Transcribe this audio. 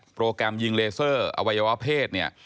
โปรแกรมยิงเลเซอร์อวัยวะเพศเนี่ย